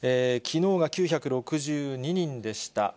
きのうが９６２人でした。